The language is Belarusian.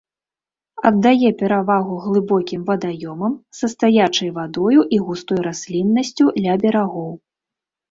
Аддае перавагу глыбокім вадаёмам са стаячай вадою і густой расліннасцю ля берагоў.